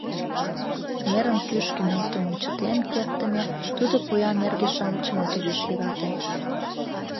Нерым кӱшкӧ нӧлтымым чытен кертдыме, тудо «поян эрге-шамычымат» огеш йӧрате.